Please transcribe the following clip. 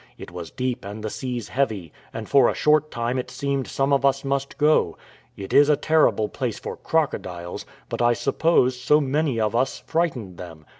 It was deep and the seas heavy, and for a short time it seemed some of us must go. It is a terrible place for crocodiles, but I suppose so many of us frightened them.